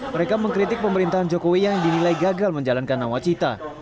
mereka mengkritik pemerintahan jokowi yang dinilai gagal menjalankan nawacita